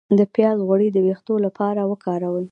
د پیاز غوړي د ویښتو لپاره وکاروئ